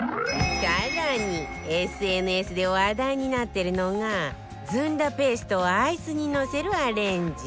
更に ＳＮＳ で話題になってるのがずんだペーストをアイスにのせるアレンジ